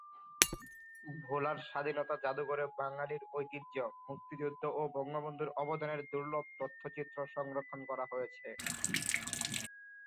ভোলার স্বাধীনতা জাদুঘরে বাঙালির ঐতিহ্য, মুক্তিযুদ্ধ ও বঙ্গবন্ধুর অবদানের দুর্লভ তথ্যচিত্র সংরক্ষণ করা হয়েছে।